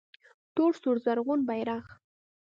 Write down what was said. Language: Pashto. تور سور زرغون بیرغ